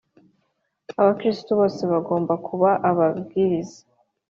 Abakristo bose bagomba kuba ababwiriza